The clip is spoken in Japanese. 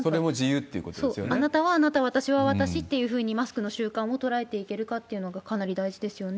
あなたはあなた、私は私というふうにマスクの習慣も捉えていけるかっていうのも大事ですよね。